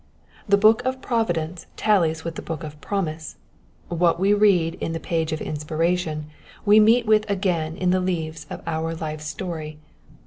The book of providence tallies with the book of promise : what we read in the page of inspiration we meet' with again in the leaves of our life story.